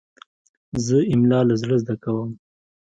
زه املا له زړه زده کوم.